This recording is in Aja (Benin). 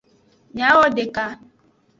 Miawodeka.